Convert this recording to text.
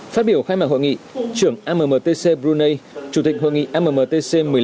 phát biểu khai mạc hội nghị trưởng ammtc brunei chủ tịch hội nghị mmtc một mươi năm